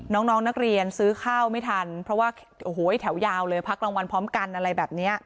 น้องนักเรียนซื้อข้าวไม่ทันเพราะว่าโอ้โหแถวยาวเลยพักรางวัลพร้อมกันอะไรแบบนี้